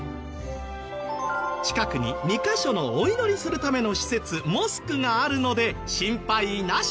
近くに２カ所のお祈りするための施設モスクがあるので心配なし。